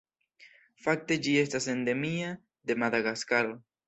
Fakte ĝi estas endemia de Madagaskaro.